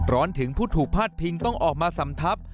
ถึงผู้ถูกพาดพิงต้องออกมาสำทับ